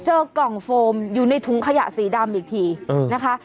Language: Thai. เจอกล่องโฟมอยู่ในถุงขยะสีดำอีกทีนะคะ